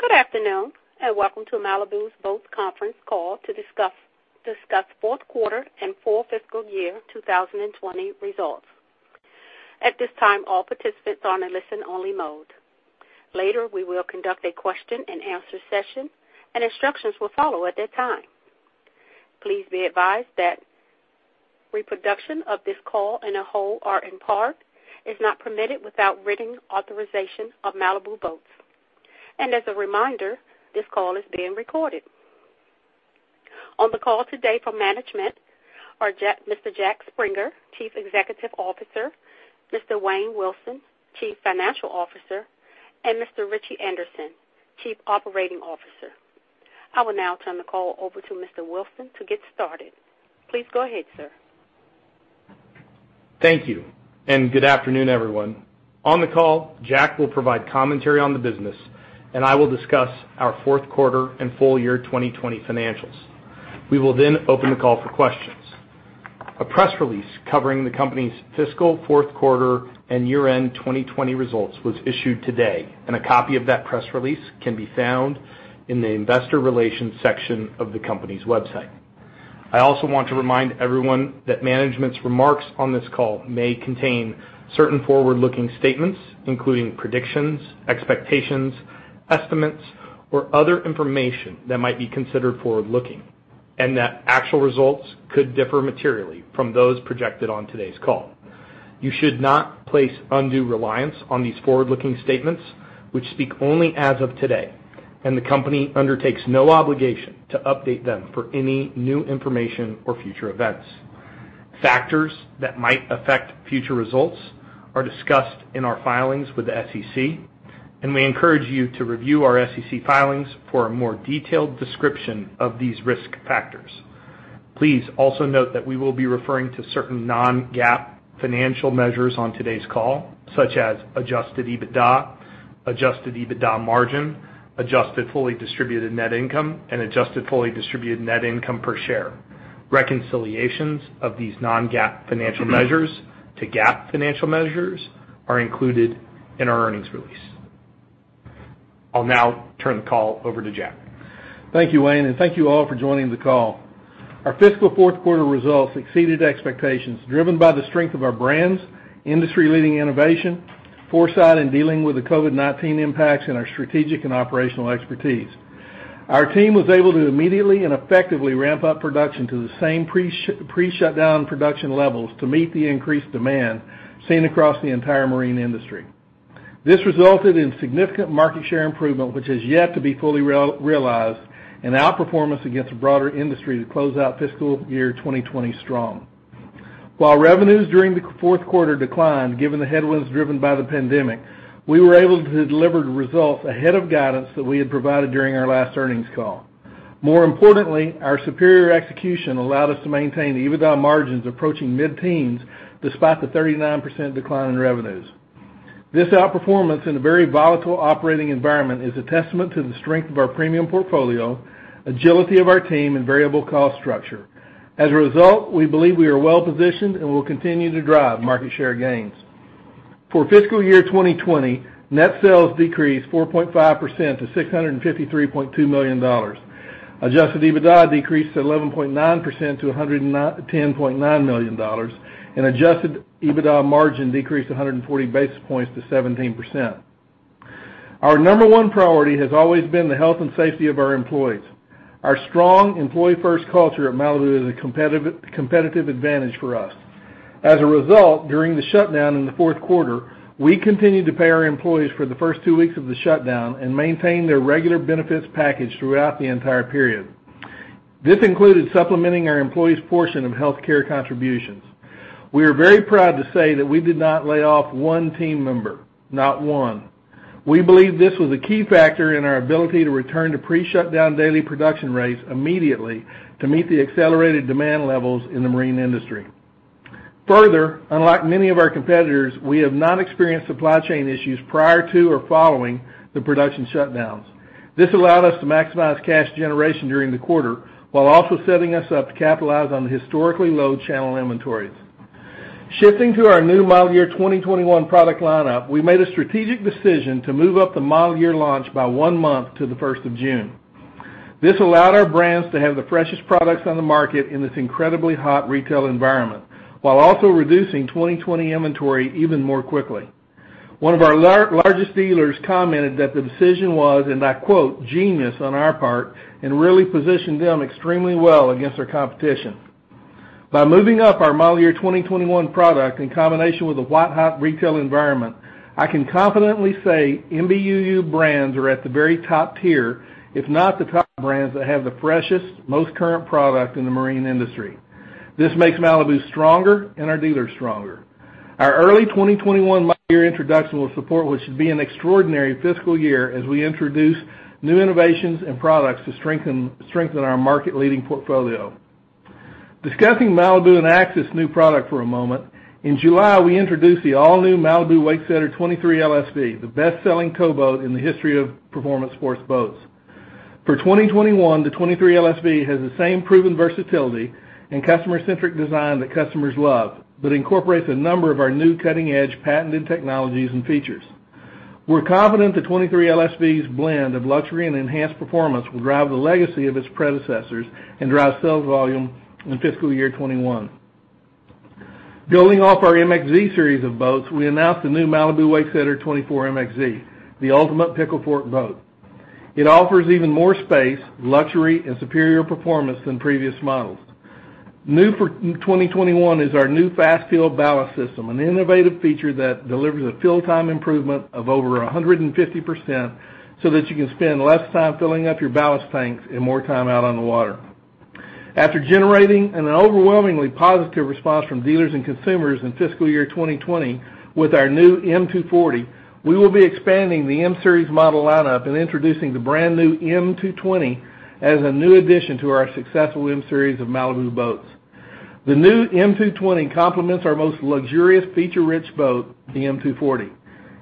Good afternoon and welcome to the Malibu Boats conference call to discuss fourth quarter and fourth fiscal year 2020 results. At this time, all participants are on a listen-only mode. Later, we will conduct a question-and-answer session, and instructions will follow at that time. Please be advised that reproduction of this call in a whole or in part is not permitted without written authorization of Malibu Boats, and as a reminder, this call is being recorded. On the call today for management are Mr. Jack Springer, Chief Executive Officer, Mr. Wayne Wilson, Chief Financial Officer, and Mr. Ritchie Anderson, Chief Operating Officer. I will now turn the call over to Mr. Wilson to get started. Please go ahead, sir. Thank you and good afternoon, everyone. On the call, Jack will provide commentary on the business, and I will discuss our fourth quarter and full year 2020 financials. We will then open the call for questions. A press release covering the company's fiscal fourth quarter and year-end 2020 results was issued today, and a copy of that press release can be found in the investor relations section of the company's website. I also want to remind everyone that management's remarks on this call may contain certain forward-looking statements, including predictions, expectations, estimates, or other information that might be considered forward-looking, and that actual results could differ materially from those projected on today's call. You should not place undue reliance on these forward-looking statements, which speak only as of today, and the company undertakes no obligation to update them for any new information or future events. Factors that might affect future results are discussed in our filings with the SEC, and we encourage you to review our SEC filings for a more detailed description of these risk factors. Please also note that we will be referring to certain non-GAAP financial measures on today's call, such as Adjusted EBITDA, Adjusted EBITDA Margin, Adjusted Fully Distributed Net Income, and Adjusted Fully Distributed Net Income per share. Reconciliations of these non-GAAP financial measures to GAAP financial measures are included in our earnings release. I'll now turn the call over to Jack. Thank you, Wayne, and thank you all for joining the call. Our fiscal fourth quarter results exceeded expectations, driven by the strength of our brands, industry-leading innovation, foresight in dealing with the COVID-19 impacts, and our strategic and operational expertise. Our team was able to immediately and effectively ramp up production to the same pre-shutdown production levels to meet the increased demand seen across the entire marine industry. This resulted in significant market share improvement, which has yet to be fully realized, and outperformance against a broader industry to close out fiscal year 2020 strong. While revenues during the fourth quarter declined given the headwinds driven by the pandemic, we were able to deliver the results ahead of guidance that we had provided during our last earnings call. More importantly, our superior execution allowed us to maintain EBITDA margins approaching mid-teens despite the 39% decline in revenues. This outperformance in a very volatile operating environment is a testament to the strength of our premium portfolio, agility of our team, and variable cost structure. As a result, we believe we are well-positioned and will continue to drive market share gains. For fiscal year 2020, net sales decreased 4.5% to $653.2 million, Adjusted EBITDA decreased 11.9% to $110.9 million, and Adjusted EBITDA margin decreased 140 basis points to 17%. Our number one priority has always been the health and safety of our employees. Our strong employee-first culture at Malibu is a competitive advantage for us. As a result, during the shutdown in the fourth quarter, we continued to pay our employees for the first two weeks of the shutdown and maintain their regular benefits package throughout the entire period. This included supplementing our employees' portion of healthcare contributions. We are very proud to say that we did not lay off one team member, not one. We believe this was a key factor in our ability to return to pre-shutdown daily production rates immediately to meet the accelerated demand levels in the marine industry. Further, unlike many of our competitors, we have not experienced supply chain issues prior to or following the production shutdowns. This allowed us to maximize cash generation during the quarter while also setting us up to capitalize on the historically low channel inventories. Shifting to our new model year 2021 product lineup, we made a strategic decision to move up the model year launch by one month to the 1st of June. This allowed our brands to have the freshest products on the market in this incredibly hot retail environment while also reducing 2020 inventory even more quickly. One of our largest dealers commented that the decision was, and I quote, "genius on our part" and really positioned them extremely well against our competition. By moving up our model year 2021 product in combination with a white-hot retail environment, I can confidently say Malibu brands are at the very top tier, if not the top brands, that have the freshest, most current product in the marine industry. This makes Malibu stronger and our dealers stronger. Our early 2021 model year introduction will support what should be an extraordinary fiscal year as we introduce new innovations and products to strengthen our market-leading portfolio. Discussing Malibu and Axis' new product for a moment, in July, we introduced the all-new Malibu Wakesetter 23 LSV, the best-selling tow boat in the history of performance sport boats. For 2021, the 23 LSV has the same proven versatility and customer-centric design that customers love, but incorporates a number of our new cutting-edge patented technologies and features. We're confident the 23 LSV's blend of luxury and enhanced performance will drive the legacy of its predecessors and drive sales volume in fiscal year 2021. Building off our MXZ series of boats, we announced the new Malibu Wakesetter 24 MXZ, the ultimate pickle-fork boat. It offers even more space, luxury, and superior performance than previous models. New for 2021 is our new Fast Fill Ballast System, an innovative feature that delivers a fill-time improvement of over 150% so that you can spend less time filling up your ballast tanks and more time out on the water. After generating an overwhelmingly positive response from dealers and consumers in fiscal year 2020 with our new M240, we will be expanding the M-Series model lineup and introducing the brand new M220 as a new addition to our successful M-Series of Malibu boats. The new M220 complements our most luxurious, feature-rich boat, the M240.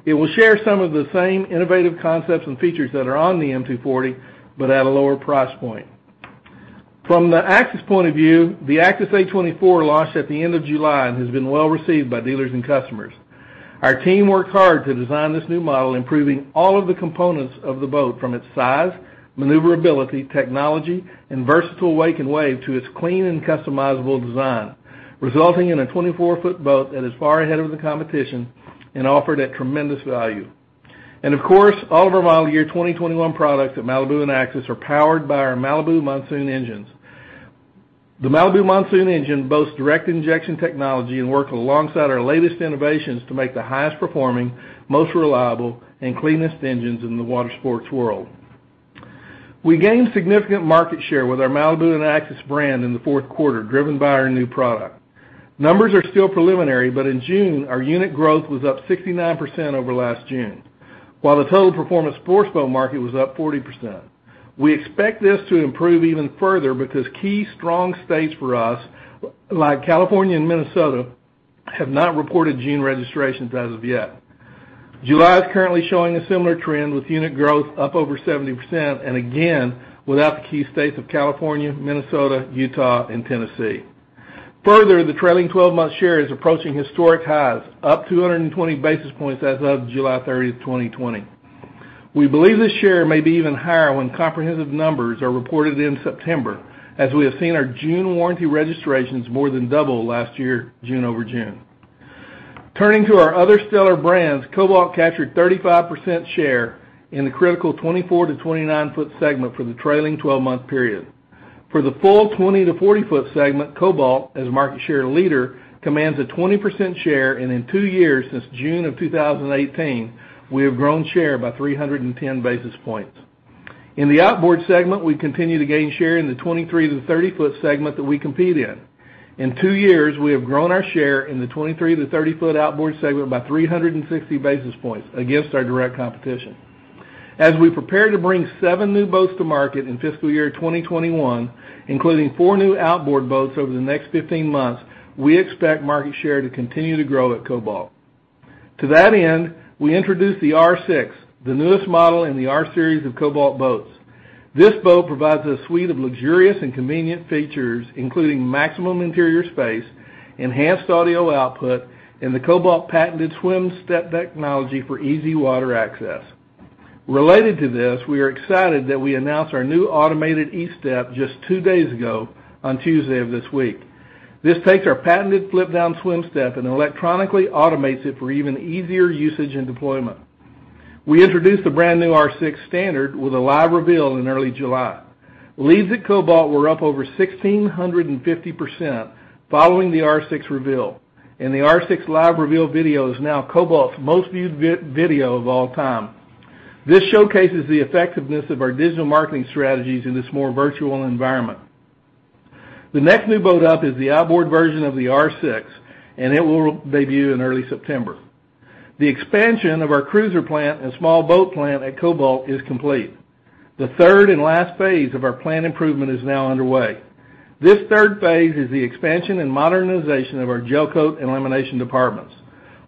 It will share some of the same innovative concepts and features that are on the M240, but at a lower price point. From the Axis point of view, the Axis A24 launched at the end of July and has been well-received by dealers and customers. Our team worked hard to design this new model, improving all of the components of the boat from its size, maneuverability, technology, and versatile wake and wave to its clean and customizable design, resulting in a 24-foot boat that is far ahead of the competition and offered at tremendous value. And of course, all of our model year 2021 products at Malibu and Axis are powered by our Malibu Monsoon engines. The Malibu Monsoon engine boasts direct injection technology and works alongside our latest innovations to make the highest performing, most reliable, and cleanest engines in the water sports world. We gained significant market share with our Malibu and Axis brand in the fourth quarter, driven by our new product. Numbers are still preliminary, but in June, our unit growth was up 69% over last June, while the total performance sport boat market was up 40%. We expect this to improve even further because key strong states for us, like California and Minnesota, have not reported June registrations as of yet. July is currently showing a similar trend with unit growth up over 70% and again without the key states of California, Minnesota, Utah, and Tennessee. Further, the trailing 12-month share is approaching historic highs, up 220 basis points as of July 30th, 2020. We believe this share may be even higher when comprehensive numbers are reported in September, as we have seen our June warranty registrations more than double last year June over June. Turning to our other stellar brands, Cobalt captured 35% share in the critical 24-29-foot segment for the trailing 12-month period. For the full 20-40-foot segment, Cobalt, as market share leader, commands a 20% share, and in two years since June of 2018, we have grown share by 310 basis points. In the outboard segment, we continue to gain share in the 23-30-foot segment that we compete in. In two years, we have grown our share in the 23-30-foot outboard segment by 360 basis points against our direct competition. As we prepare to bring seven new boats to market in fiscal year 2021, including four new outboard boats over the next 15 months, we expect market share to continue to grow at Cobalt. To that end, we introduced the R6, the newest model in the R Series of Cobalt Boats. This boat provides a suite of luxurious and convenient features, including maximum interior space, enhanced audio output, and the Cobalt patented swim step technology for easy water access. Related to this, we are excited that we announced our new automated E-Step just two days ago on Tuesday of this week. This takes our patented flip-down swim step and electronically automates it for even easier usage and deployment. We introduced the brand new R6 standard with a live reveal in early July. Leads at Cobalt were up over 1,650% following the R6 reveal, and the R6 live reveal video is now Cobalt's most viewed video of all time. This showcases the effectiveness of our digital marketing strategies in this more virtual environment. The next new boat up is the outboard version of the R6, and it will debut in early September. The expansion of our cruiser plant and small boat plant at Cobalt is complete. The third and last phase of our plant improvement is now underway. This third phase is the expansion and modernization of our gelcoat and lamination departments.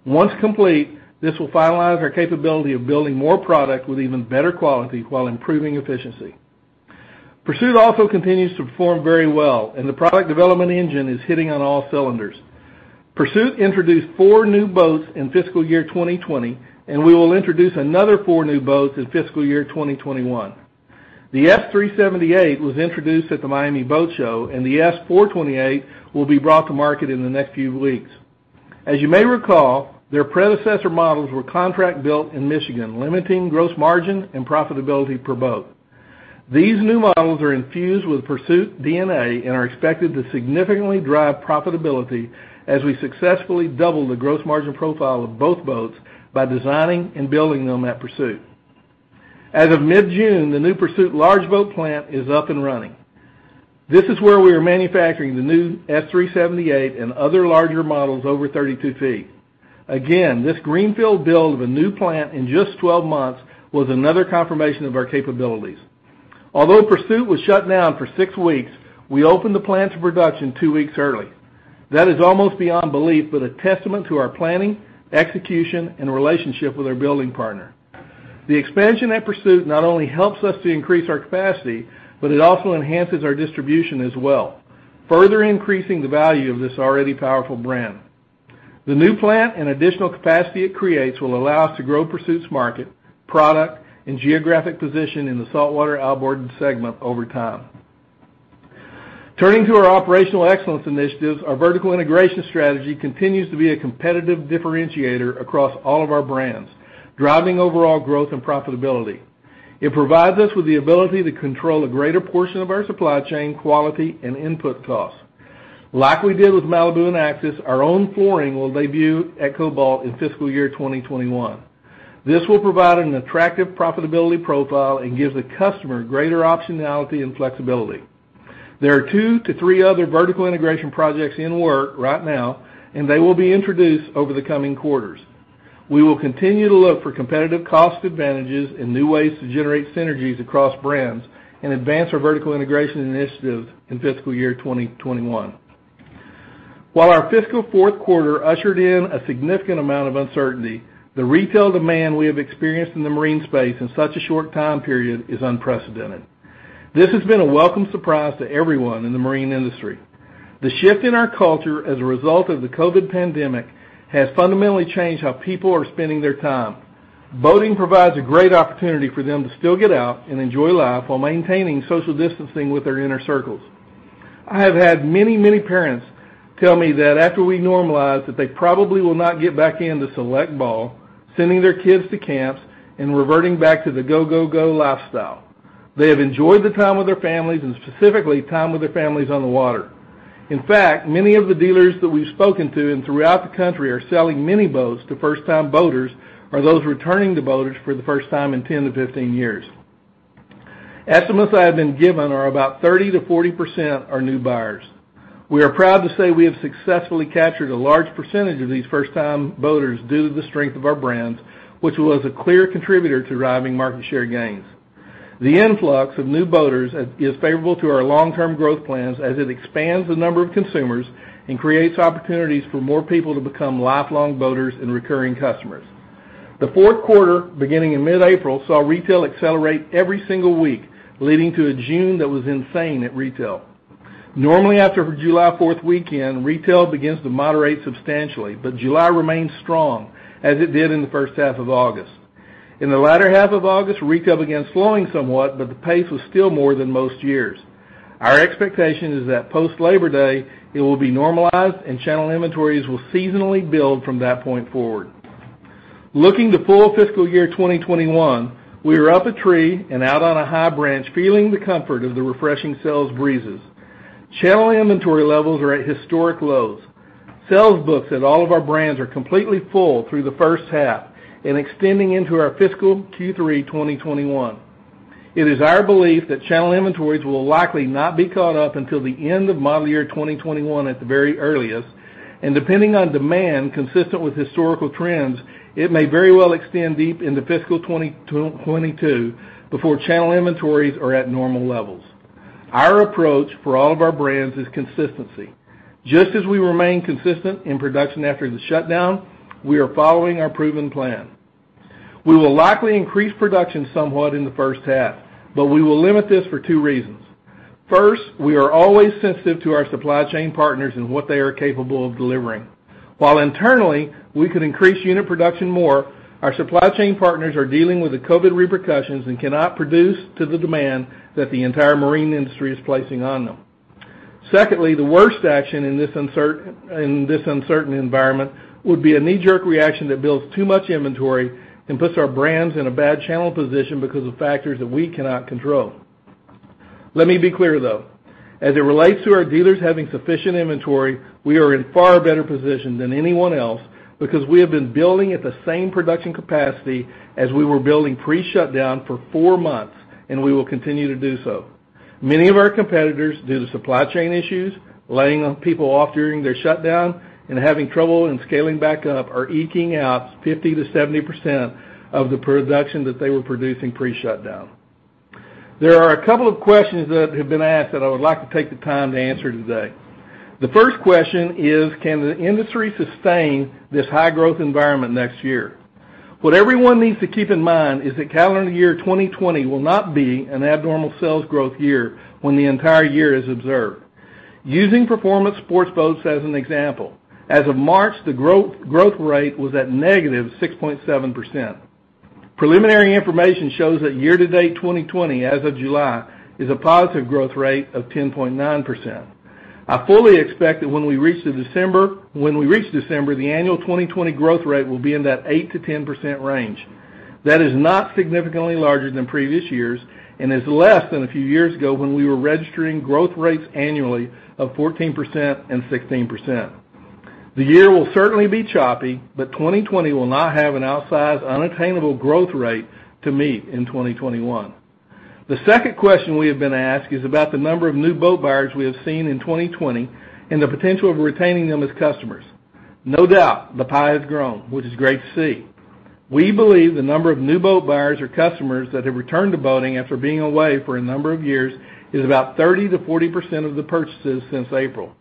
Once complete, this will finalize our capability of building more product with even better quality while improving efficiency. Pursuit also continues to perform very well, and the product development engine is hitting on all cylinders. Pursuit introduced four new boats in fiscal year 2020, and we will introduce another four new boats in fiscal year 2021. The S 378 was introduced at the Miami Boat Show, and the S 428 will be brought to market in the next few weeks. As you may recall, their predecessor models were contract-built in Michigan, limiting gross margin and profitability per boat. These new models are infused with Pursuit DNA and are expected to significantly drive profitability as we successfully double the gross margin profile of both boats by designing and building them at Pursuit. As of mid-June, the new Pursuit large boat plant is up and running. This is where we are manufacturing the new S 378 and other larger models over 32 feet. Again, this greenfield build of a new plant in just 12 months was another confirmation of our capabilities. Although Pursuit was shut down for six weeks, we opened the plant to production two weeks early. That is almost beyond belief, but a testament to our planning, execution, and relationship with our building partner. The expansion at Pursuit not only helps us to increase our capacity, but it also enhances our distribution as well, further increasing the value of this already powerful brand. The new plant and additional capacity it creates will allow us to grow Pursuit's market, product, and geographic position in the saltwater outboard segment over time. Turning to our operational excellence initiatives, our vertical integration strategy continues to be a competitive differentiator across all of our brands, driving overall growth and profitability. It provides us with the ability to control a greater portion of our supply chain, quality, and input costs. Like we did with Malibu and Axis, our own flooring will debut at Cobalt in fiscal year 2021. This will provide an attractive profitability profile and gives the customer greater optionality and flexibility. There are two to three other vertical integration projects in work right now, and they will be introduced over the coming quarters. We will continue to look for competitive cost advantages and new ways to generate synergies across brands and advance our vertical integration initiatives in fiscal year 2021. While our fiscal fourth quarter ushered in a significant amount of uncertainty, the retail demand we have experienced in the marine space in such a short time period is unprecedented. This has been a welcome surprise to everyone in the marine industry. The shift in our culture as a result of the COVID pandemic has fundamentally changed how people are spending their time. Boating provides a great opportunity for them to still get out and enjoy life while maintaining social distancing with their inner circles. I have had many, many parents tell me that after we normalize, that they probably will not get back into Select ball, sending their kids to camps, and reverting back to the go, go, go lifestyle. They have enjoyed the time with their families and specifically time with their families on the water. In fact, many of the dealers that we've spoken to and throughout the country are selling mini boats to first-time boaters or those returning boaters for the first time in 10-15 years. Estimates I have been given are about 30%-40% are new buyers. We are proud to say we have successfully captured a large percentage of these first-time boaters due to the strength of our brands, which was a clear contributor to driving market share gains. The influx of new boaters is favorable to our long-term growth plans as it expands the number of consumers and creates opportunities for more people to become lifelong boaters and recurring customers. The fourth quarter, beginning in mid-April, saw retail accelerate every single week, leading to a June that was insane at retail. Normally, after July 4th weekend, retail begins to moderate substantially, but July remains strong as it did in the first half of August. In the latter half of August, retail began slowing somewhat, but the pace was still more than most years. Our expectation is that post-Labor Day, it will be normalized and channel inventories will seasonally build from that point forward. Looking to full fiscal year 2021, we are up a tree and out on a high branch, feeling the comfort of the refreshing sales breezes. Channel inventory levels are at historic lows. Sales books at all of our brands are completely full through the first half and extending into our fiscal Q3 2021. It is our belief that channel inventories will likely not be caught up until the end of model year 2021 at the very earliest, and depending on demand consistent with historical trends, it may very well extend deep into fiscal 2022 before channel inventories are at normal levels. Our approach for all of our brands is consistency. Just as we remain consistent in production after the shutdown, we are following our proven plan. We will likely increase production somewhat in the first half, but we will limit this for two reasons. First, we are always sensitive to our supply chain partners and what they are capable of delivering. While internally, we could increase unit production more, our supply chain partners are dealing with the COVID repercussions and cannot produce to the demand that the entire marine industry is placing on them. Secondly, the worst action in this uncertain environment would be a knee-jerk reaction that builds too much inventory and puts our brands in a bad channel position because of factors that we cannot control. Let me be clear, though. As it relates to our dealers having sufficient inventory, we are in a far better position than anyone else because we have been building at the same production capacity as we were building pre-shutdown for four months, and we will continue to do so. Many of our competitors, due to supply chain issues, laying people off during their shutdown and having trouble in scaling back up, are eking out 50%-70% of the production that they were producing pre-shutdown. There are a couple of questions that have been asked that I would like to take the time to answer today. The first question is, can the industry sustain this high-growth environment next year? What everyone needs to keep in mind is that calendar year 2020 will not be an abnormal sales growth year when the entire year is observed. Using performance sport boats as an example, as of March, the growth rate was at negative 6.7%. Preliminary information shows that year-to-date 2020, as of July, is a positive growth rate of 10.9%. I fully expect that when we reach December, the annual 2020 growth rate will be in that 8%-10% range. That is not significantly larger than previous years and is less than a few years ago when we were registering growth rates annually of 14% and 16%. The year will certainly be choppy, but 2020 will not have an outsized unattainable growth rate to meet in 2021. The second question we have been asked is about the number of new boat buyers we have seen in 2020 and the potential of retaining them as customers. No doubt, the pie has grown, which is great to see. We believe the number of new boat buyers or customers that have returned to boating after being away for a number of years is about 30%-40% of the purchases since April.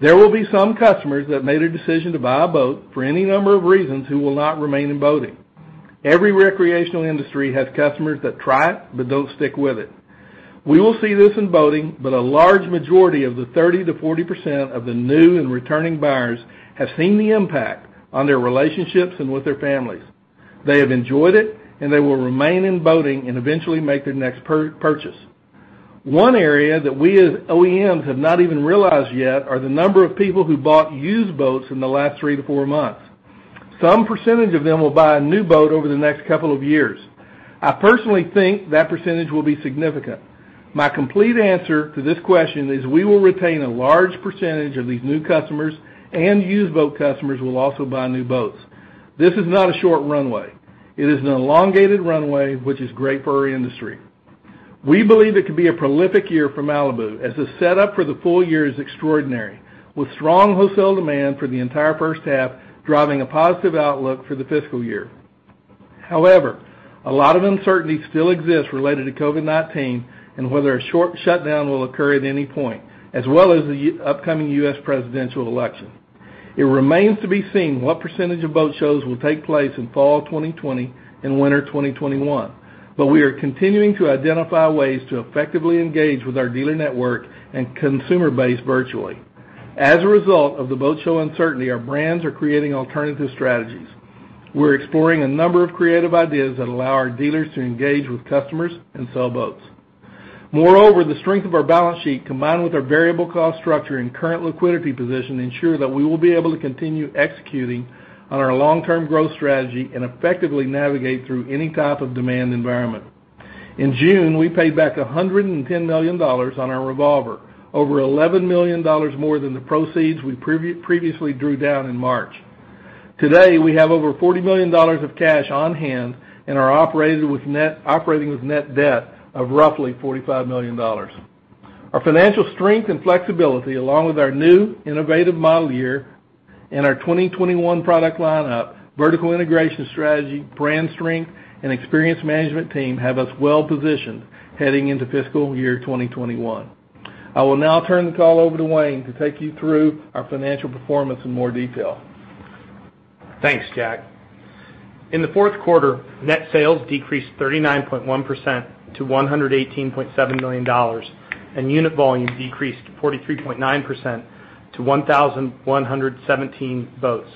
There will be some customers that made a decision to buy a boat for any number of reasons who will not remain in boating. Every recreational industry has customers that try it but don't stick with it. We will see this in boating, but a large majority of the 30%-40% of the new and returning buyers have seen the impact on their relationships and with their families. They have enjoyed it, and they will remain in boating and eventually make their next purchase. One area that we as OEMs have not even realized yet are the number of people who bought used boats in the last three to four months. Some percentage of them will buy a new boat over the next couple of years. I personally think that percentage will be significant. My complete answer to this question is we will retain a large percentage of these new customers, and used boat customers will also buy new boats. This is not a short runway. It is an elongated runway, which is great for our industry. We believe it could be a prolific year for Malibu as the setup for the full year is extraordinary, with strong wholesale demand for the entire first half driving a positive outlook for the fiscal year. However, a lot of uncertainty still exists related to COVID-19 and whether a short shutdown will occur at any point, as well as the upcoming U.S. presidential election. It remains to be seen what percentage of boat shows will take place in fall 2020 and winter 2021, but we are continuing to identify ways to effectively engage with our dealer network and consumer base virtually. As a result of the boat show uncertainty, our brands are creating alternative strategies. We're exploring a number of creative ideas that allow our dealers to engage with customers and sell boats. Moreover, the strength of our balance sheet, combined with our variable cost structure and current liquidity position, ensures that we will be able to continue executing on our long-term growth strategy and effectively navigate through any type of demand environment. In June, we paid back $110 million on our revolver, over $11 million more than the proceeds we previously drew down in March. Today, we have over $40 million of cash on hand and are operating with net debt of roughly $45 million. Our financial strength and flexibility, along with our new innovative model year and our 2021 product lineup, vertical integration strategy, brand strength, and experienced management team have us well positioned heading into fiscal year 2021. I will now turn the call over to Wayne to take you through our financial performance in more detail. Thanks, Jack. In the fourth quarter, net sales decreased 39.1% to $118.7 million, and unit volume decreased 43.9% to 1,117 boats.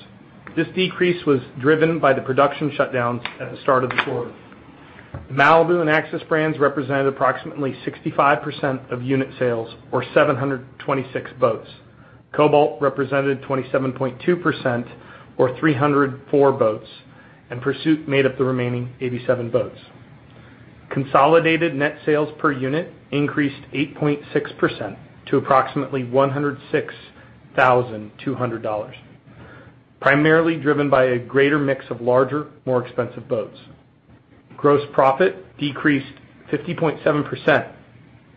This decrease was driven by the production shutdowns at the start of the quarter. Malibu and Axis brands represented approximately 65% of unit sales, or 726 boats. Cobalt represented 27.2%, or 304 boats, and Pursuit made up the remaining 87 boats. Consolidated net sales per unit increased 8.6% to approximately $106,200, primarily driven by a greater mix of larger, more expensive boats. Gross profit decreased 50.7%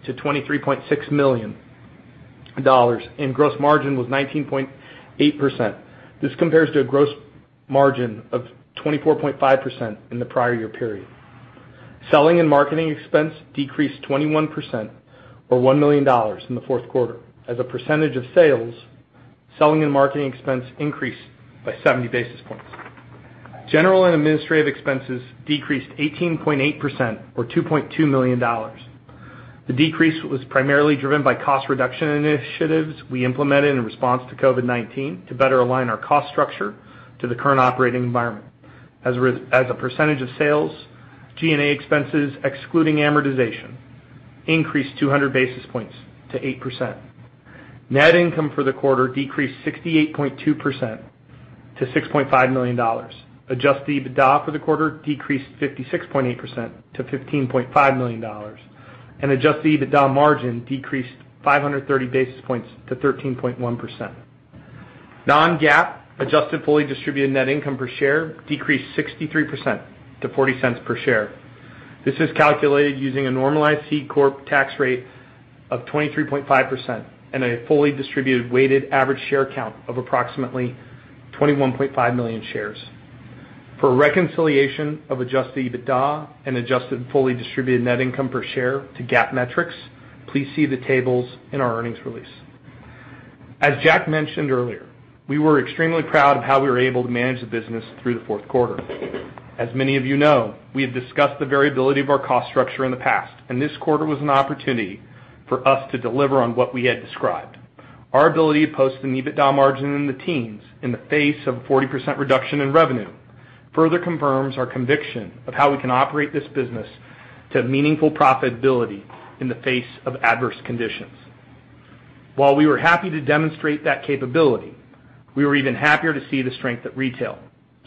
to $23.6 million, and gross margin was 19.8%. This compares to a gross margin of 24.5% in the prior year period. Selling and marketing expense decreased 21%, or $1 million in the fourth quarter. As a percentage of sales, selling and marketing expense increased by 70 basis points. General and administrative expenses decreased 18.8%, or $2.2 million. The decrease was primarily driven by cost reduction initiatives we implemented in response to COVID-19 to better align our cost structure to the current operating environment. As a percentage of sales, G&A expenses, excluding amortization, increased 200 basis points to 8%. Net income for the quarter decreased 68.2% to $6.5 million. Adjusted EBITDA for the quarter decreased 56.8% to $15.5 million, and adjusted EBITDA margin decreased 530 basis points to 13.1%. Non-GAAP adjusted fully distributed net income per share decreased 63% to $0.40 per share. This is calculated using a normalized C Corp tax rate of 23.5% and a fully distributed weighted average share count of approximately 21.5 million shares. For reconciliation of Adjusted EBITDA and Adjusted Fully Distributed Net Income per share to GAAP metrics, please see the tables in our earnings release. As Jack mentioned earlier, we were extremely proud of how we were able to manage the business through the fourth quarter. As many of you know, we have discussed the variability of our cost structure in the past, and this quarter was an opportunity for us to deliver on what we had described. Our ability to post an EBITDA margin in the teens in the face of a 40% reduction in revenue further confirms our conviction of how we can operate this business to meaningful profitability in the face of adverse conditions. While we were happy to demonstrate that capability, we were even happier to see the strength at retail,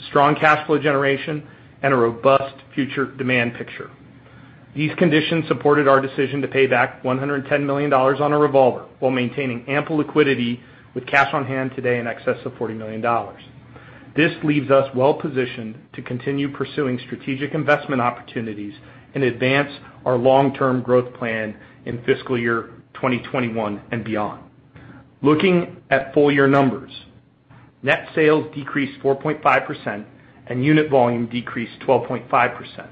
strong cash flow generation, and a robust future demand picture. These conditions supported our decision to pay back $110 million on a revolver while maintaining ample liquidity with cash on hand today in excess of $40 million. This leaves us well positioned to continue pursuing strategic investment opportunities and advance our long-term growth plan in fiscal year 2021 and beyond. Looking at full year numbers, net sales decreased 4.5% and unit volume decreased 12.5%.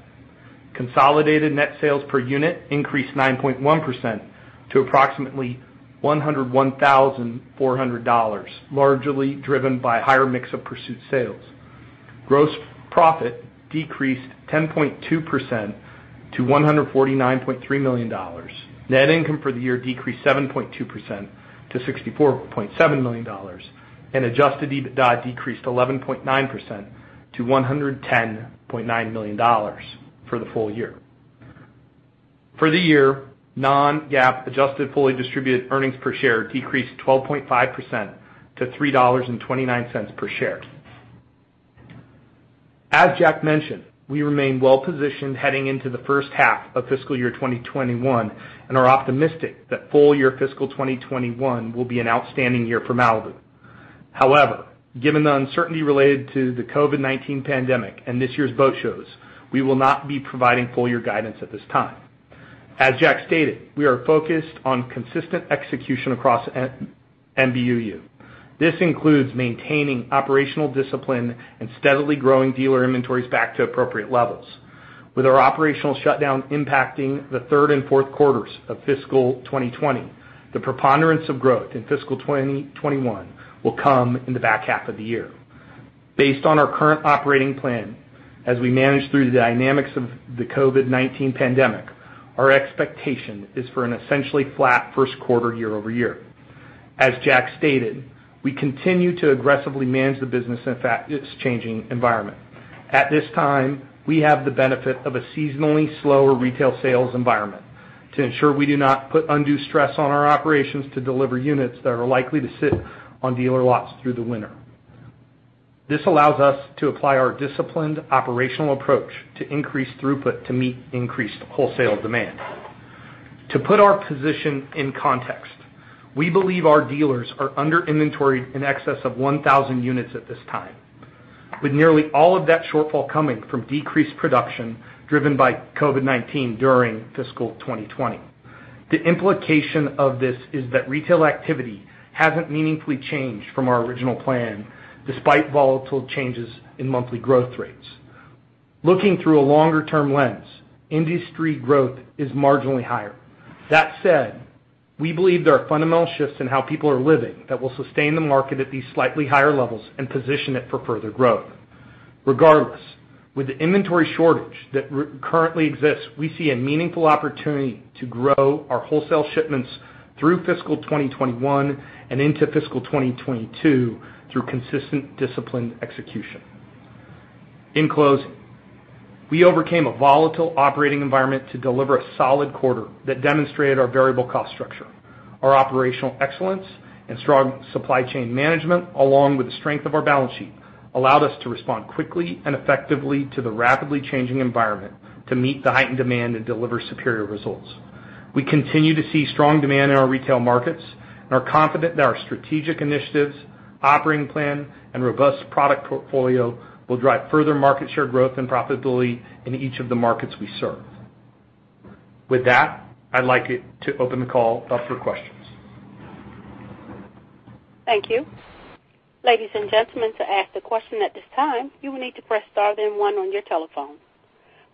Consolidated net sales per unit increased 9.1% to approximately $101,400, largely driven by a higher mix of pursuit sales. Gross profit decreased 10.2% to $149.3 million. Net income for the year decreased 7.2% to $64.7 million, and Adjusted EBITDA decreased 11.9% to $110.9 million for the full year. For the year, non-GAAP adjusted fully distributed earnings per share decreased 12.5% to $3.29 per share. As Jack mentioned, we remain well positioned heading into the first half of fiscal year 2021 and are optimistic that full year fiscal 2021 will be an outstanding year for Malibu. However, given the uncertainty related to the COVID-19 pandemic and this year's boat shows, we will not be providing full year guidance at this time. As Jack stated, we are focused on consistent execution across Malibu. This includes maintaining operational discipline and steadily growing dealer inventories back to appropriate levels. With our operational shutdown impacting the third and fourth quarters of fiscal 2020, the preponderance of growth in fiscal 2021 will come in the back half of the year. Based on our current operating plan, as we manage through the dynamics of the COVID-19 pandemic, our expectation is for an essentially flat first quarter year over year. As Jack stated, we continue to aggressively manage the business in a fast changing environment. At this time, we have the benefit of a seasonally slower retail sales environment to ensure we do not put undue stress on our operations to deliver units that are likely to sit on dealer lots through the winter. This allows us to apply our disciplined operational approach to increase throughput to meet increased wholesale demand. To put our position in context, we believe our dealers are under-inventoried in excess of 1,000 units at this time, with nearly all of that shortfall coming from decreased production driven by COVID-19 during fiscal 2020. The implication of this is that retail activity hasn't meaningfully changed from our original plan despite volatile changes in monthly growth rates. Looking through a longer-term lens, industry growth is marginally higher. That said, we believe there are fundamental shifts in how people are living that will sustain the market at these slightly higher levels and position it for further growth. Regardless, with the inventory shortage that currently exists, we see a meaningful opportunity to grow our wholesale shipments through fiscal 2021 and into fiscal 2022 through consistent discipline execution. In closing, we overcame a volatile operating environment to deliver a solid quarter that demonstrated our variable cost structure. Our operational excellence and strong supply chain management, along with the strength of our balance sheet, allowed us to respond quickly and effectively to the rapidly changing environment to meet the heightened demand and deliver superior results. We continue to see strong demand in our retail markets and are confident that our strategic initiatives, operating plan, and robust product portfolio will drive further market share growth and profitability in each of the markets we serve. With that, I'd like to open the call up for questions. Thank you. Ladies and gentlemen, to ask a question at this time, you will need to press Star then 1 on your telephone.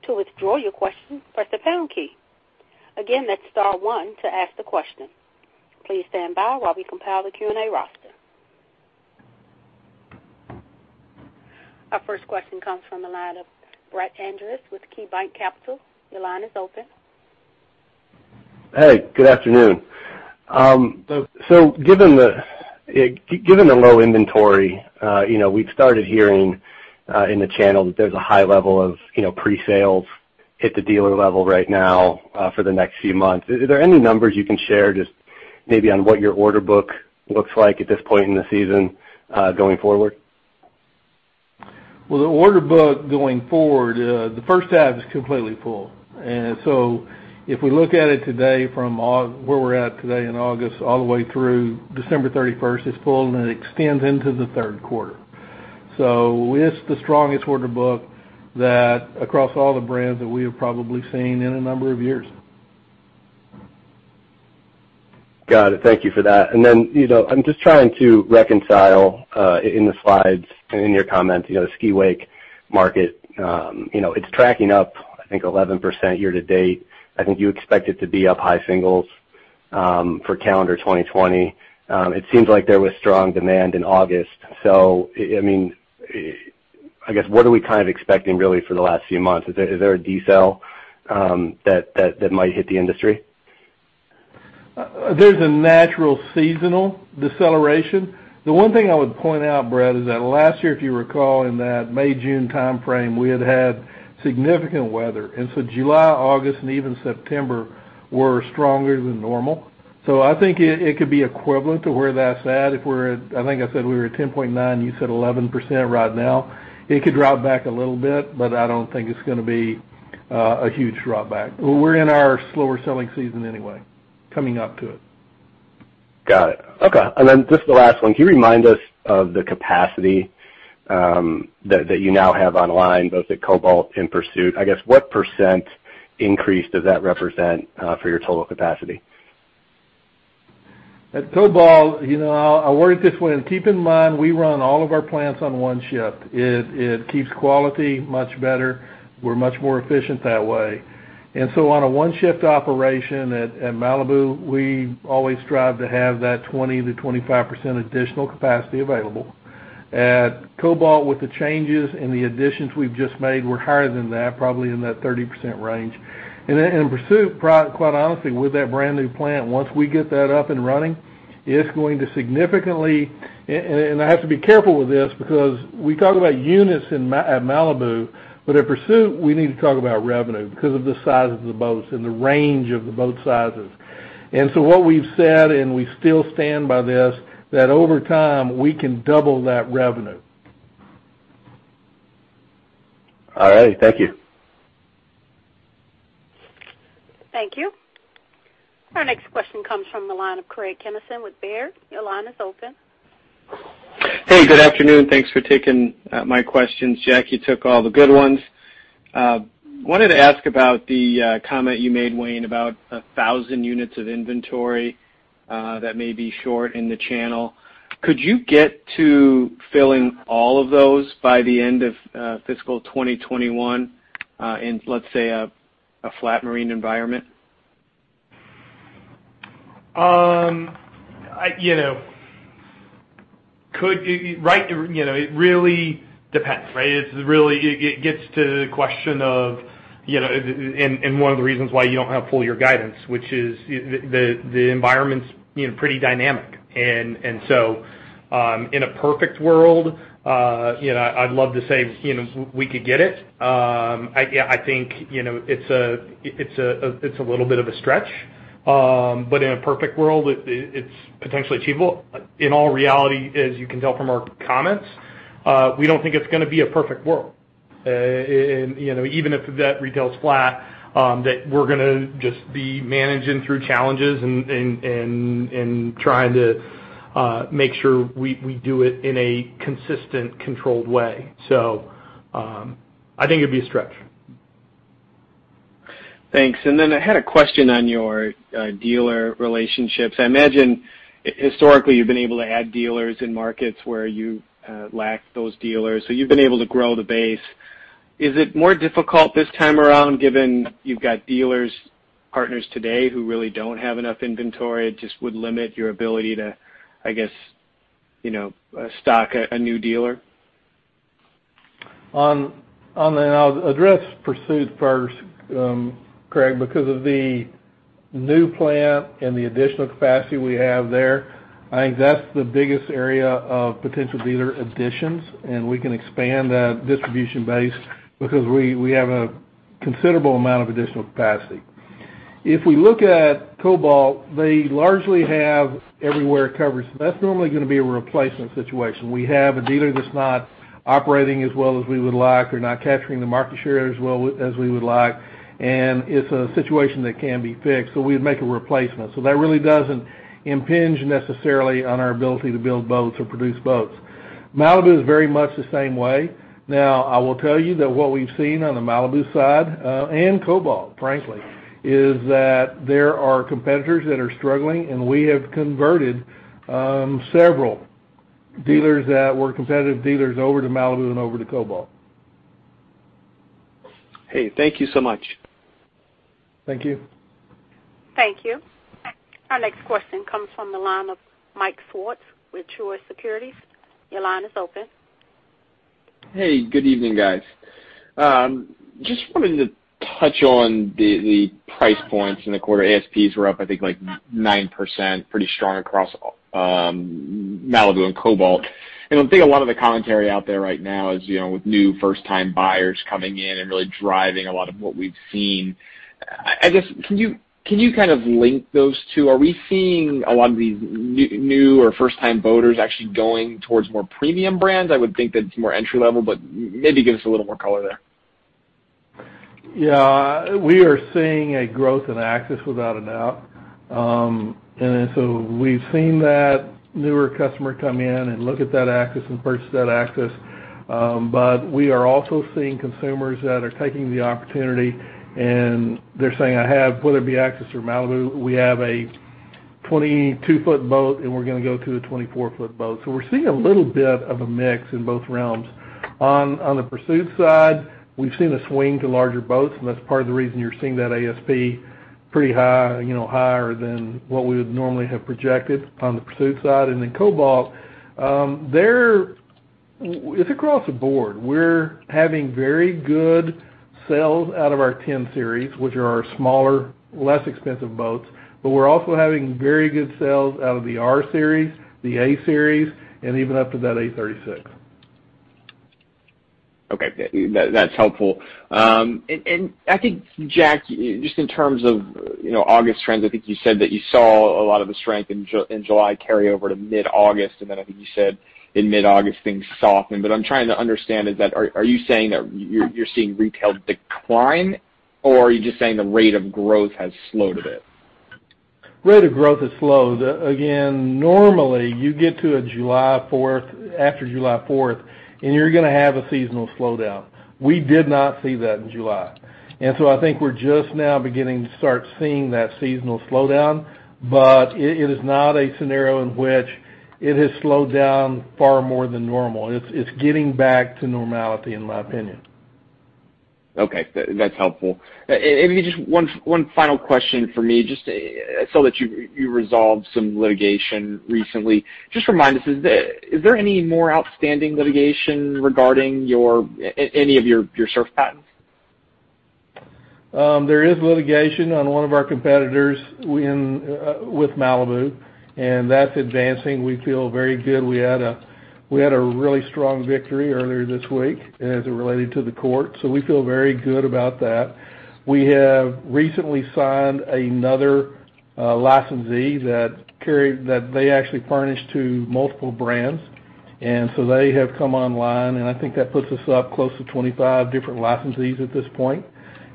To withdraw your question, press the pound key. Again, that's Star 1 to ask the question. Please stand by while we compile the Q&A roster. Our first question comes from Brett Andress with KeyBanc Capital Markets. Your line is open. Hey, good afternoon. So given the low inventory, we've started hearing in the channel that there's a high level of pre-sales hit the dealer level right now for the next few months. Are there any numbers you can share just maybe on what your order book looks like at this point in the season going forward? Well, the order book going forward, the first half is completely full. And so if we look at it today from where we're at today in August all the way through December 31st, it's full and it extends into the third quarter. So it's the strongest order book across all the brands that we have probably seen in a number of years. Got it. Thank you for that. And then I'm just trying to reconcile in the slides and in your comments, the Ski/Wake market. It's tracking up, I think, 11% year to date. I think you expect it to be up high singles for calendar 2020. It seems like there was strong demand in August. So I guess, what are we kind of expecting really for the last few months? Is there a decel that might hit the industry? There's a natural seasonal deceleration. The one thing I would point out, Brett, is that last year, if you recall, in that May/June time frame, we had had significant weather. And so July, August, and even September were stronger than normal. So I think it could be equivalent to where that's at. I think I said we were at 10.9%. You said 11% right now. It could drop back a little bit, but I don't think it's going to be a huge drop back. We're in our slower selling season anyway, coming up to it. Got it. Okay. And then just the last one. Can you remind us of the capacity that you now have online, both at Cobalt and Pursuit? I guess, what percent increase does that represent for your total capacity? At Cobalt, I'll word it this way. And keep in mind, we run all of our plants on one shift. It keeps quality much better. We're much more efficient that way, and so on a one-shift operation at Malibu, we always strive to have that 20%-25% additional capacity available. At Cobalt, with the changes and the additions we've just made, we're higher than that, probably in that 30% range, and at Pursuit, quite honestly, with that brand new plant, once we get that up and running, it's going to significantly, and I have to be careful with this because we talk about units at Malibu, but at Pursuit, we need to talk about revenue because of the size of the boats and the range of the boat sizes. And so what we've said, and we still stand by this, that over time we can double that revenue. All righty. Thank you. Thank you. Our next question comes from Craig Kennison with Baird. Your line is open. Hey, good afternoon. Thanks for taking my questions, Jack. You took all the good ones. I wanted to ask about the comment you made, Wayne, about 1,000 units of inventory that may be short in the channel. Could you get to filling all of those by the end of fiscal 2021 in, let's say, a flat marine environment? Right. It really depends, right? It gets to the question of, and one of the reasons why you don't have full year guidance, which is the environment's pretty dynamic. And so in a perfect world, I'd love to say we could get it. I think it's a little bit of a stretch, but in a perfect world, it's potentially achievable. In all reality, as you can tell from our comments, we don't think it's going to be a perfect world. And even if that retail's flat, that we're going to just be managing through challenges and trying to make sure we do it in a consistent, controlled way. So I think it'd be a stretch. Thanks. And then I had a question on your dealer relationships. I imagine historically you've been able to add dealers in markets where you lacked those dealers. So you've been able to grow the base. Is it more difficult this time around given you've got dealers, partners today who really don't have enough inventory? It just would limit your ability to, I guess, stock a new dealer? On the address, Pursuit first, Craig, because of the new plant and the additional capacity we have there, I think that's the biggest area of potential dealer additions. And we can expand that distribution base because we have a considerable amount of additional capacity. If we look at Cobalt, they largely have everywhere covered. So that's normally going to be a replacement situation. We have a dealer that's not operating as well as we would like. They're not capturing the market share as well as we would like. And it's a situation that can be fixed. So we would make a replacement. So that really doesn't impinge necessarily on our ability to build boats or produce boats. Malibu is very much the same way. Now, I will tell you that what we've seen on the Malibu side and Cobalt, frankly, is that there are competitors that are struggling, and we have converted several dealers that were competitive dealers over to Malibu and over to Cobalt. Hey, thank you so much. Thank you. Thank you. Our next question comes from the line of Mike Swartz with SunTrust Robinson Humphrey. Your line is open. Hey, good evening, guys. Just wanted to touch on the price points in the quarter. ASPs were up, I think, like 9%, pretty strong across Malibu and Cobalt. And I think a lot of the commentary out there right now is with new first-time buyers coming in and really driving a lot of what we've seen. I guess, can you kind of link those two? Are we seeing a lot of these new or first-time buyers actually going towards more premium brands? I would think that it's more entry-level, but maybe give us a little more color there. Yeah. We are seeing a growth in Axis without a doubt. And so we've seen that newer customer come in and look at that Axis and purchase that Axis. But we are also seeing consumers that are taking the opportunity, and they're saying, "I have whether it be Axis or Malibu, we have a 22-foot boat and we're going to go to a 24-foot boat." So we're seeing a little bit of a mix in both realms. On the Pursuit side, we've seen a swing to larger boats, and that's part of the reason you're seeing that ASP pretty higher than what we would normally have projected on the Pursuit side. And then Cobalt, it's across the board. We're having very good sales out of our 10 Series, which are our smaller, less expensive boats. But we're also having very good sales out of the R Series, the A Series, and even up to that A36. Okay. That's helpful. And I think, Jack, just in terms of August trends, I think you said that you saw a lot of the strength in July carry over to mid-August. And then I think you said in mid-August things softened. But I'm trying to understand, are you saying that you're seeing retail decline, or are you just saying the rate of growth has slowed a bit? Rate of growth has slowed. Again, normally you get to a July 4th, after July 4th, and you're going to have a seasonal slowdown. We did not see that in July. And so I think we're just now beginning to start seeing that seasonal slowdown, but it is not a scenario in which it has slowed down far more than normal. It's getting back to normality, in my opinion. Okay. That's helpful. Maybe just one final question for me. Just so that you resolved some litigation recently, just remind us, is there any more outstanding litigation regarding any of your surf patents? There is litigation on one of our competitors with Malibu, and that's advancing. We feel very good. We had a really strong victory earlier this week as it related to the court. So we feel very good about that. We have recently signed another licensee that they actually furnished to multiple brands. And so they have come online, and I think that puts us up close to 25 different licensees at this point.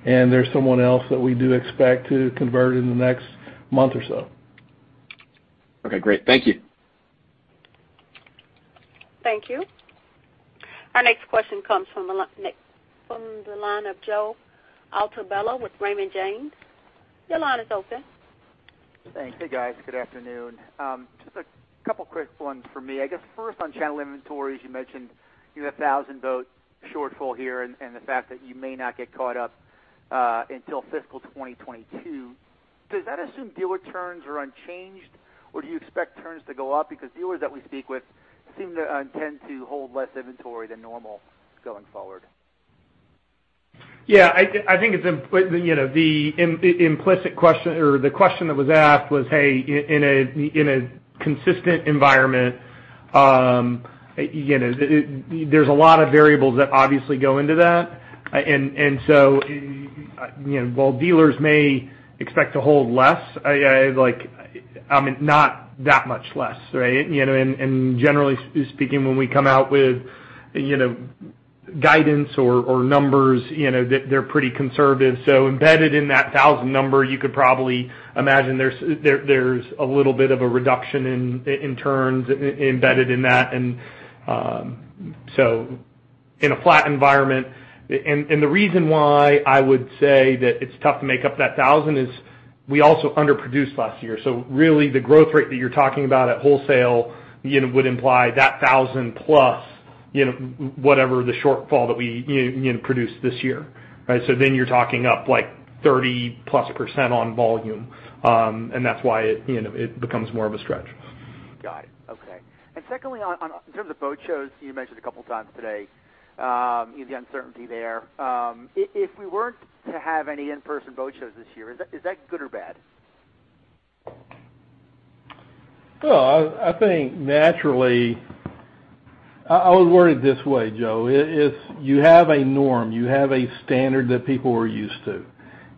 And there's someone else that we do expect to convert in the next month or so. Okay. Great. Thank you. Thank you. Our next question comes from the line of Joe Altobello with Raymond James. Your line is open. Thanks. Hey, guys. Good afternoon. Just a couple of quick ones for me. I guess first on channel inventories, you mentioned you have 1,000 boats shortfall here, and the fact that you may not get caught up until fiscal 2022. Does that assume dealer turns are unchanged, or do you expect turns to go up? Because dealers that we speak with seem to intend to hold less inventory than normal going forward. Yeah. I think it's the implicit question or the question that was asked was, "Hey, in a consistent environment, there's a lot of variables that obviously go into that." And so while dealers may expect to hold less, I mean, not that much less, right? And generally speaking, when we come out with guidance or numbers, they're pretty conservative. So embedded in that 1,000 number, you could probably imagine there's a little bit of a reduction in turns embedded in that. And so in a flat environment, and the reason why I would say that it's tough to make up that 1,000 is we also underproduced last year. So really the growth rate that you're talking about at wholesale would imply that 1,000+ whatever the shortfall that we produced this year, right? So then you're talking up like 30% + on volume, and that's why it becomes more of a stretch. Got it. Okay. And secondly, in terms of boat shows, you mentioned a couple of times today the uncertainty there. If we weren't to have any in-person boat shows this year, is that good or bad? Well, I think naturally, I was worried this way, Joe. You have a norm. You have a standard that people are used to.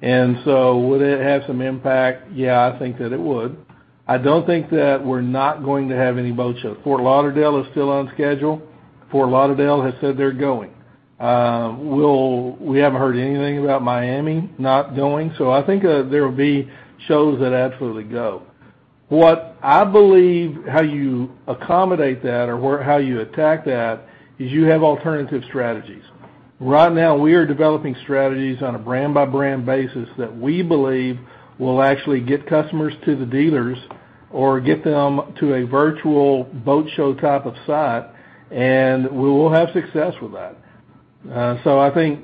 And so would it have some impact? Yeah, I think that it would. I don't think that we're not going to have any boat shows. Fort Lauderdale is still on schedule. Fort Lauderdale has said they're going. We haven't heard anything about Miami not going. So I think there will be shows that absolutely go. What I believe how you accommodate that or how you attack that is you have alternative strategies. Right now, we are developing strategies on a brand-by-brand basis that we believe will actually get customers to the dealers or get them to a virtual boat show type of site, and we will have success with that. So I think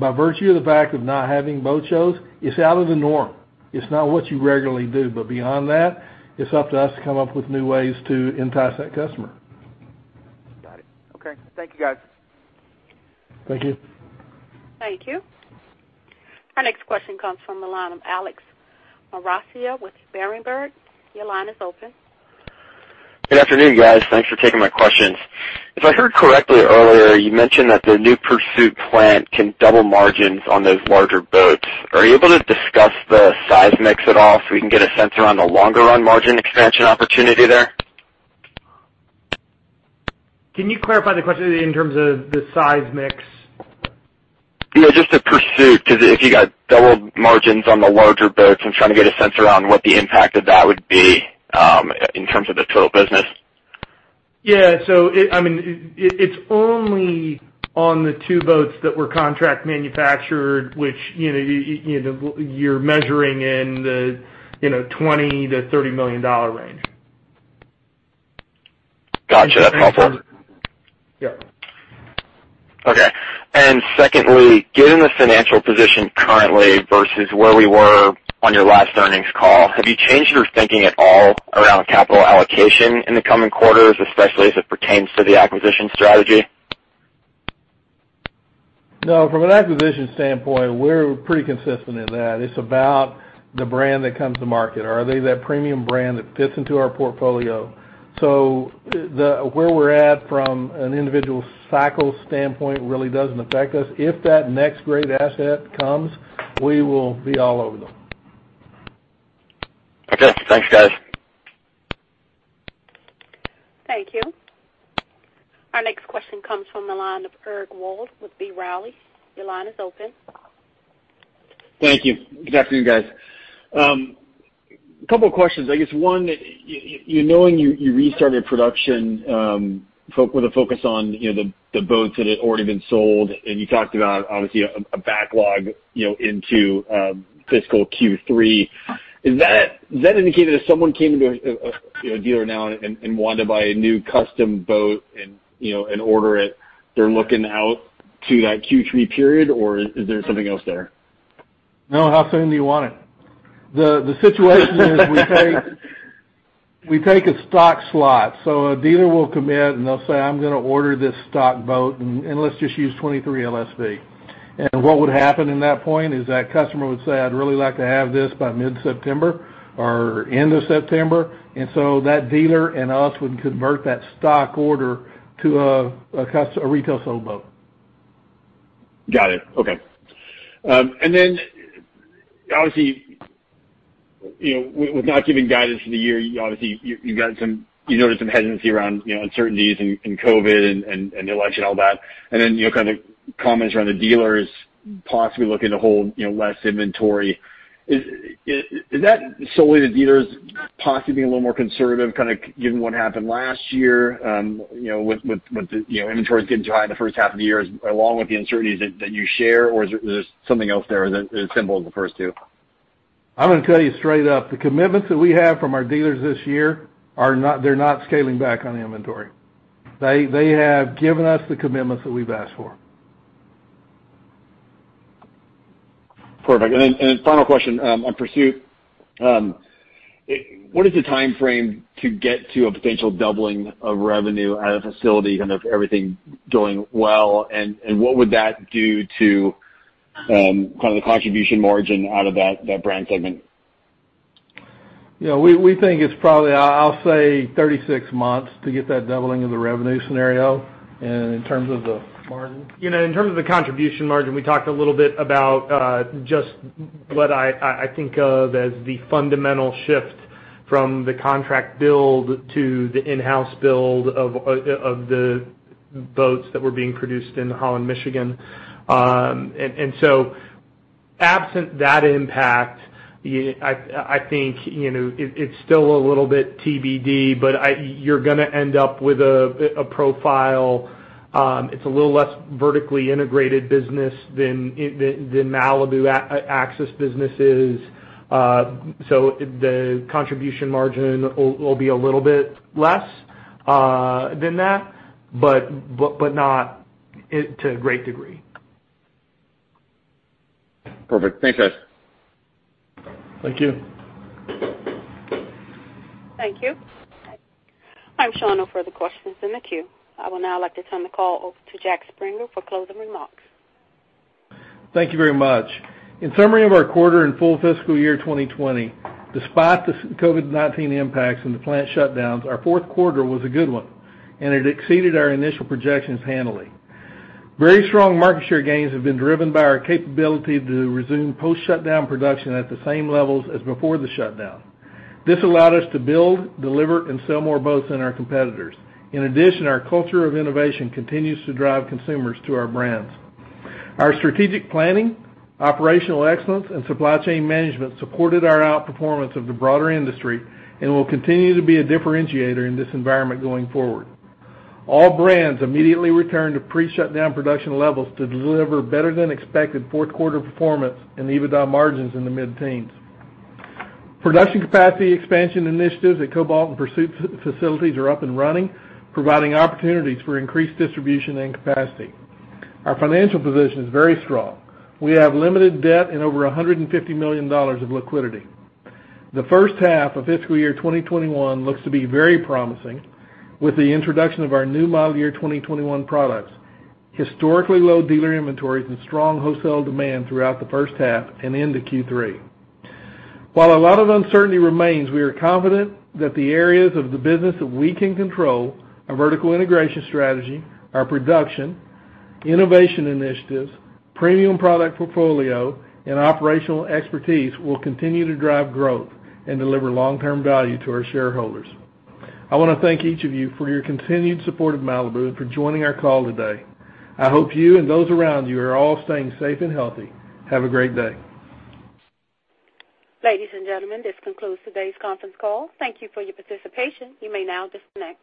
by virtue of the fact of not having boat shows, it's out of the norm. It's not what you regularly do. But beyond that, it's up to us to come up with new ways to entice that customer. Got it. Okay. Thank you, guys. Thank you. Thank you. Our next question comes from the line of Alex Maroccia with Berenberg. Your line is open. Good afternoon, guys. Thanks for taking my questions. If I heard correctly earlier, you mentioned that the new Pursuit plant can double margins on those larger boats. Are you able to discuss the size mix at all so we can get a sense around the longer-run margin expansion opportunity there? Can you clarify the question in terms of the size mix? Yeah. Just the Pursuit, because if you got double margins on the larger boats, I'm trying to get a sense around what the impact of that would be in terms of the total business. Yeah. So I mean, it's only on the two boats that were contract manufactured, which you're measuring in the $20 million-$30 million range. Gotcha. That's helpful. Yeah. Okay. And secondly, given the financial position currently versus where we were on your last earnings call, have you changed your thinking at all around capital allocation in the coming quarters, especially as it pertains to the acquisition strategy? No. From an acquisition standpoint, we're pretty consistent in that. It's about the brand that comes to market. Are they that premium brand that fits into our portfolio? So where we're at from an individual cycle standpoint really doesn't affect us. If that next great asset comes, we will be all over them. Okay. Thanks, guys. Thank you. Our next question comes from the line of Eric Wold with B. Riley. Your line is open. Thank you. Good afternoon, guys. A couple of questions. I guess one, knowing you restarted production with a focus on the boats that had already been sold, and you talked about, obviously, a backlog into fiscal Q3. Does that indicate that if someone came into a dealer now and wanted to buy a new custom boat and order it, they're looking out to that Q3 period, or is there something else there? No. How soon do you want it? The situation is we take a stock slot. So a dealer will commit, and they'll say, "I'm going to order this stock boat, and let's just use 23 LSV." And what would happen in that point is that customer would say, "I'd really like to have this by mid-September or end of September." And so that dealer and us would convert that stock order to a retail sold boat. Got it. Okay. And then, obviously, with not giving guidance for the year, obviously, you noted some hesitancy around uncertainties and COVID and the election and all that. And then kind of comments around the dealers possibly looking to hold less inventory. Is that solely the dealers possibly being a little more conservative, kind of given what happened last year with the inventories getting too high in the first half of the year along with the uncertainties that you share, or is there something else there that is as simple as the first two? I'm going to tell you straight up, the commitments that we have from our dealers this year, they're not scaling back on inventory. They have given us the commitments that we've asked for. Perfect. And then final question on Pursuit. What is the time frame to get to a potential doubling of revenue at a facility kind of everything going well? And what would that do to kind of the contribution margin out of that brand segment? Yeah. We think it's probably. I'll say 36 months to get that doubling of the revenue scenario in terms of the margin. In terms of the contribution margin, we talked a little bit about just what I think of as the fundamental shift from the contract build to the in-house build of the boats that were being produced in Holland, Michigan. And so absent that impact, I think it's still a little bit TBD, but you're going to end up with a profile. It's a little less vertically integrated business than Malibu Axis businesses. So the contribution margin will be a little bit less than that, but not to a great degree. Perfect. Thanks, guys. Thank you. Thank you. I'm showing no further questions in the queue. I would now like to turn the call over to Jack Springer for closing remarks. Thank you very much. In summary of our quarter and full fiscal year 2020, despite the COVID-19 impacts and the plant shutdowns, our fourth quarter was a good one, and it exceeded our initial projections handily. Very strong market share gains have been driven by our capability to resume post-shutdown production at the same levels as before the shutdown. This allowed us to build, deliver, and sell more boats than our competitors. In addition, our culture of innovation continues to drive consumers to our brands. Our strategic planning, operational excellence, and supply chain management supported our outperformance of the broader industry and will continue to be a differentiator in this environment going forward. All brands immediately returned to pre-shutdown production levels to deliver better-than-expected fourth-quarter performance and EBITDA margins in the mid-teens. Production capacity expansion initiatives at Cobalt and Pursuit facilities are up and running, providing opportunities for increased distribution and capacity. Our financial position is very strong. We have limited debt and over $150 million of liquidity. The first half of fiscal year 2021 looks to be very promising with the introduction of our new model year 2021 products, historically low dealer inventories, and strong wholesale demand throughout the first half and into Q3. While a lot of uncertainty remains, we are confident that the areas of the business that we can control, our vertical integration strategy, our production, innovation initiatives, premium product portfolio, and operational expertise will continue to drive growth and deliver long-term value to our shareholders. I want to thank each of you for your continued support of Malibu and for joining our call today. I hope you and those around you are all staying safe and healthy. Have a great day. Ladies and gentlemen, this concludes today's conference call. Thank you for your participation. You may now disconnect.